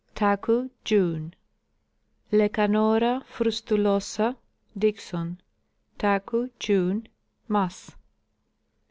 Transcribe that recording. Taku, June. Lecanorafrustxdosa? (Dicks.). Taku, June. Mass.